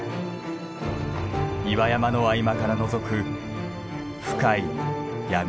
岩山の合間からのぞく深い闇。